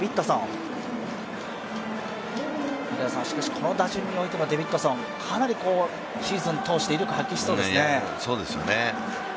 この打順においてのデビッドソンかなりシーズン通して威力を発揮しそうですね。